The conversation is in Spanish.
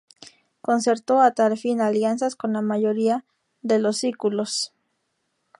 Concertó a tal fin alianzas con la mayoría de los sículos.